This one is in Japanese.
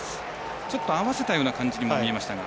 ちょっと合わせたような感じにも見えましたが。